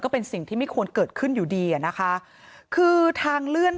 เป็นสิ่งที่ไม่ควรเกิดขึ้นอยู่ดีอ่ะนะคะคือทางเลื่อน